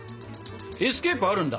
エスケープあるんだ？